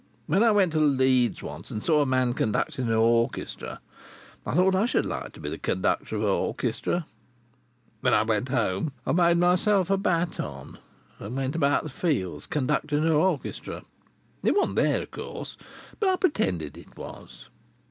When I went to Leeds once, and saw a man conducting a orchestra, I thought I should like to be the conductor of a orchestra. When I went home I made myself a baton, and went about the fields conducting a orchestra. It wasn't there, of course, but I pretended it was.